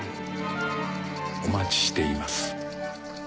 お待ちしています